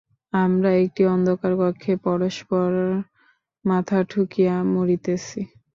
আমরা একটি অন্ধকার কক্ষে পরস্পর মাথা ঠুকিয়া মরিতেছি।